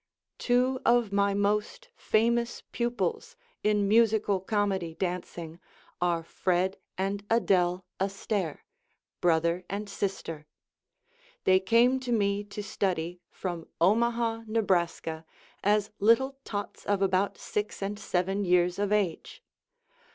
[Illustration: FRED AND ADELE ASTAIRE] Two of my most famous pupils in Musical Comedy dancing are Fred and Adele Astaire, brother and sister. They came to me to study from Omaha, Nebraska, as little tots of about six and seven years of age.